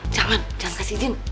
jangan jangan kasih izin